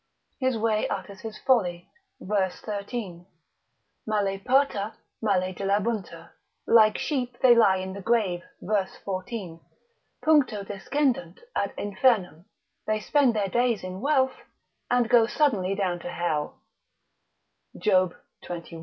his way utters his folly, verse 13. male parta, male dilabuntur; like sheep they lie in the grave, verse 14. Puncto descendunt ad infernum, they spend their days in wealth, and go suddenly down to hell, Job xxi. 13.